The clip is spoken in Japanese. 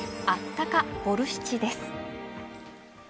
あったかボルシチです。